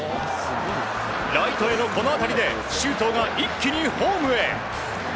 ライトへのこの当たりで周東が一気にホームへ。